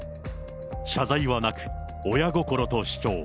謝罪はなく、親心と主張。